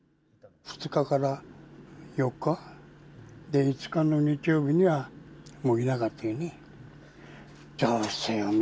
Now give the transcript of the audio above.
２日から４日、５日の日曜日にはもういなかったよね。